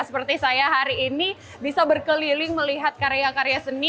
seperti saya hari ini bisa berkeliling melihat karya karya seni